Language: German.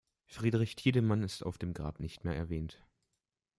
Friedrich Tiedemann ist auf dem Grab nicht mehr erwähnt.